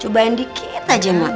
cobain dikit aja mak